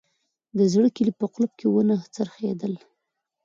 زړه کیلي په قلف کې ونه څرخیدل